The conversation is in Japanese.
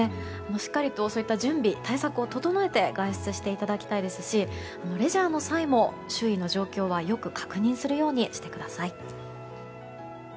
しっかりと準備、対策を整えて外出していただきたいですしレジャーの際も周囲の状況はよく確認するようにしてください。